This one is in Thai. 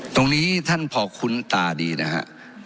ตรงนี้ท่านพอคุ้นตาดีนะฮะ